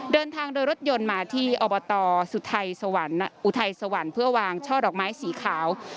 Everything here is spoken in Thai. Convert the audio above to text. เดินทางโดยรถยนต์มาที่อบตอุทัยสวรรค์เพื่อวางช่อหลอกไม้สีขาว